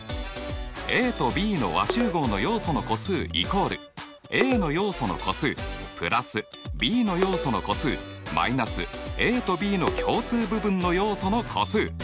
ＡとＢの和集合の要素の個数イコールＡの要素の個数＋Ｂの要素の個数−ＡとＢの共通部分の要素の個数。